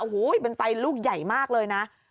โอ้โหเป็นไฟลูกใหญ่มากเลยนะ